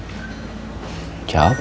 aku udah nolong dia